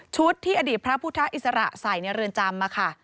ที่อดีตพระพุทธอิสระใส่ในเรือนจำมาค่ะ